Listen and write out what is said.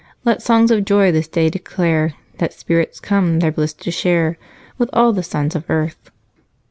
Let songs of joy this day declare That spirits come their bliss to share With all the sons of earth."